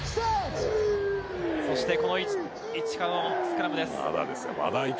そしてこの位置からのスクラムです。